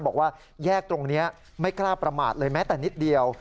บอกว่าแยกตรงนี้ไม่กล้าประมาทเลยแม้แต่นิดเดียว